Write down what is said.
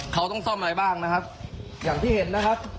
เขาต้องซ่อมอะไรบ้างนะครับอย่างที่เห็นนะครับ